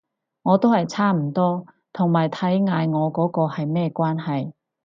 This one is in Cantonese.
我都係差唔多，同埋睇嗌我嗰個係咩關係